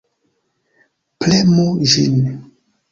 Premu ĝin.